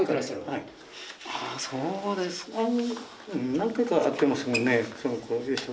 そうですか。